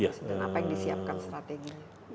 dan apa yang disiapkan strateginya